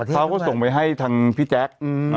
เขาก็ส่งไปให้ทางพี่แจ๊ค